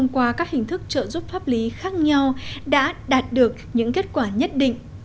qua các hình thức trợ giúp pháp lý khác nhau đã đạt được những kết quả nhất định